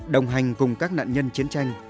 đồng hành cùng các nạn nhân chiến tranh